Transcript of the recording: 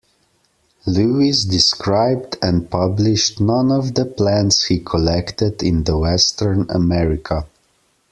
Lewis described and published none of the plants he collected in the Western America.